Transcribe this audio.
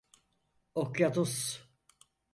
Okyanus…